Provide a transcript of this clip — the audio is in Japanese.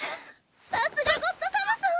さすがゴッドサムソン！